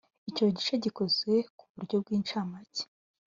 Icyo gice gikoze ku buryo bw’ incamake